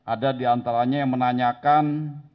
ada di antaranya yang menanyakan